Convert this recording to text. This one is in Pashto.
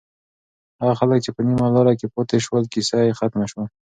هغه خلک چې په نیمه لاره کې پاتې شول، کیسه یې ختمه شوه.